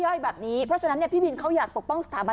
แบบนี้เพราะฉะนั้นพี่บินเขาอยากปกป้องสถาบัน